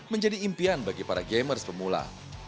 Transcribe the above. menjadi impian bagi para gamers pemula